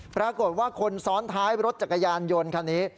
ปรากฏว่าคนซ้อนท้ายรถจักรยานยนต์คันนี้